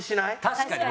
確かに。